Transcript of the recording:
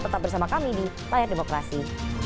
tetap bersama kami di layar demokrasi